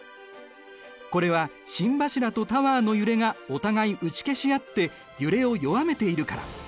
これは心柱とタワーの揺れがお互い打ち消しあって揺れを弱めているから。